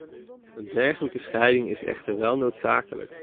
Een dergelijke scheiding is echter wel noodzakelijk.